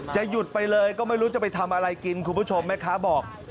หยุดไปเลยก็ไม่รู้จะไปทำอะไรกินคุณผู้ชมแม่ค้าบอก